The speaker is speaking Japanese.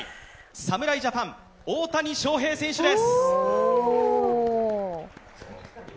侍ジャパン・大谷翔平選手です。